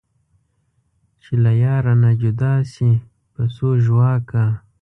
چې له یاره نه جدا شي پسو ژواک کا